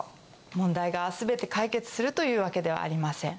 問題が全て解決するというわけではありません。